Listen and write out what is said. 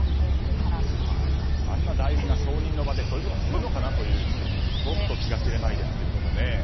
あんな大事な承認の場でそういうことするのかなというちょっと気が知れないですけどね。